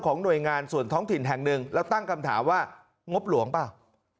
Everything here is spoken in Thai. หน่วยงานส่วนท้องถิ่นแห่งหนึ่งแล้วตั้งคำถามว่างบหลวงเปล่า